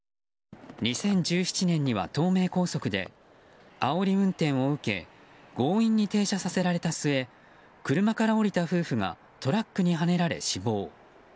２０１７年には東名高速であおり運転を受け強引に停車させられた末車から降りた夫婦がトラックにはねられ死亡。